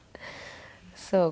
そう。